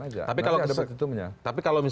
aja tapi kalau misalnya